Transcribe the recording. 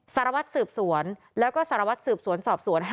สารวัตรสืบสวนแล้วก็สารวัตรสืบสวนสอบสวน